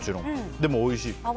でも、おいしい。